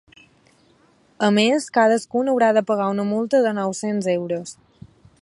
A més, cadascun haurà de pagar una multa de nou-cents euros.